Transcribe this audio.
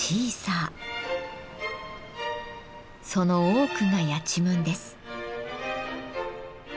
その多くがやちむんです。